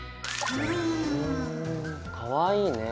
ふんかわいいね。